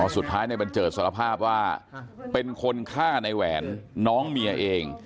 สุดท้ายในบัญเจิดสารภาพว่าเป็นคนฆ่าในแหวนน้องเมียเอง